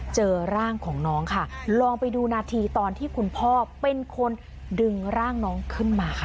เจอร่างของน้องค่ะลองไปดูนาทีตอนที่คุณพ่อเป็นคนดึงร่างน้องขึ้นมาค่ะ